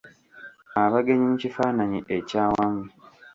Abagenyi mu kifaananyi ekyawamu.